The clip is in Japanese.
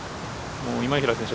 今平選手